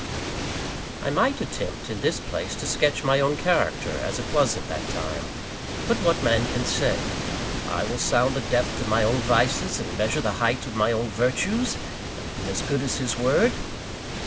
I might attempt, in this place, to sketch my own character as it was at that time. But what man can say I will sound the depth of my own vices, and measure the height of my own virtues; and be as good as his word?